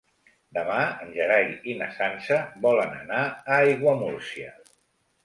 Demà en Gerai i na Sança volen anar a Aiguamúrcia.